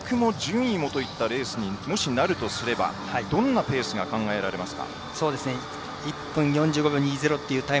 きょう記録も順位もといったレースにもしなるとすればどんなペースが考えられますか。